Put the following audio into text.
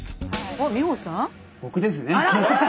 僕ですね